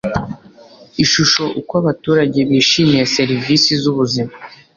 Ishusho Uko abaturage bishimiye Serivisi z ubuzima